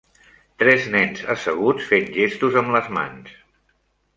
Tres nens asseguts fent gestos amb les mans.